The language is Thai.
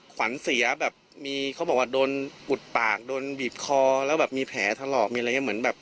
ขวัญเสียแบบเขาบอกว่าโดนกุดปากโดนบีบคอแล้วแบบมีแผลทะเลาะ